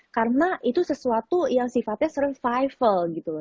karena itu sesuatu yang sifatnya survival